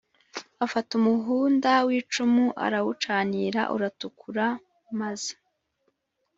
afata umuhunda w' icumu arawucanira uratukura maz